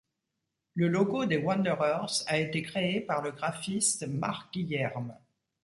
Le logo des Wanderers a été créé par le graphiste Mark Guilherme.